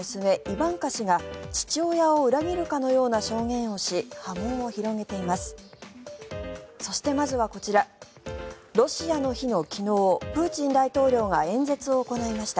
イバンカ氏が父親を裏切るかのような証言をし波紋を広げています。